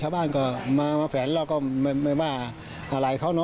ชาวบ้านก็มาแฝนเราก็ไม่ว่าอะไรเขาเนอ